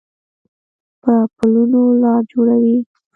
په پلونو لار جوړوي